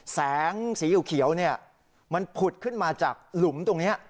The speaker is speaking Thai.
แสงสีเขียวมันผุดขึ้นมาจากหลุมตรงนี้